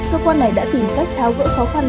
cơ quan này đã tìm cách tháo gỡ khó khăn